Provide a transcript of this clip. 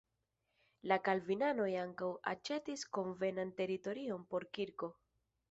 La kalvinanoj ankaŭ aĉetis konvenan teritorion por kirko.